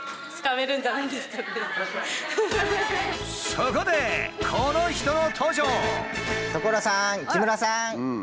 そこでこの人の登場！